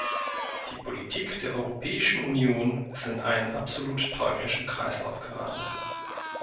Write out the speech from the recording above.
Die Politik der Europäischen Union ist in einen absolut teuflischen Kreislauf geraten.